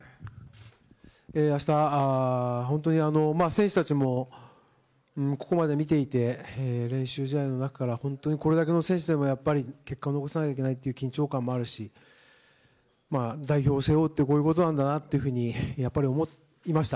あした本当に、選手たちもここまで見ていて練習試合の中から本当にこれだけの選手でもやっぱり、結果を残さなきゃいけないという緊張感もあるし、代表を背負うということは、こういうことなんだなというふうにやっぱり思いました。